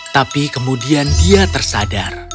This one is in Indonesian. tapi kemudian dia tersadar